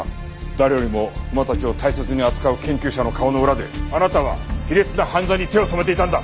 誰よりも馬たちを大切に扱う研究者の顔の裏であなたは卑劣な犯罪に手を染めていたんだ！